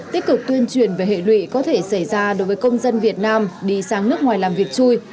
tích cực tuyên truyền về hệ lụy có thể xảy ra đối với công dân việt nam đi sang nước ngoài làm việc chui